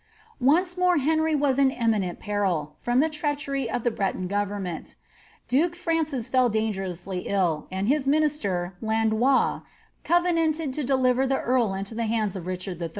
Once more Henry was in imminent peril, from Uie treachery of the Breton government. Duke Francis fell dangerously ill, and his minister, Landois, covenanted to deliver the earl into the hands of Richard III.